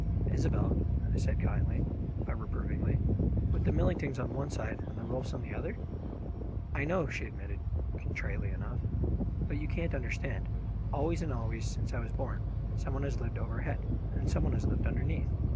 "Isobel!" I said kindly but reprovingly. "With the Millingtons on one side and the Rolfs on the other?" "I know," she admitted contritely enough; "but you can't understand. Always and always, since I was born, some one has lived overhead, and some one has lived underneath.